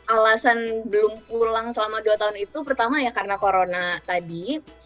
alasan belum pulang selama dua tahun itu pertama ya karena corona tadi